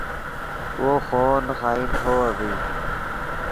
وو خوو نے خائن ہوو اڤزید